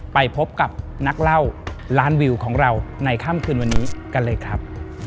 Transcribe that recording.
ไปพบกับนักเล่าล้านวิวของเราในค่ำคืนวันนี้กันเลยครับ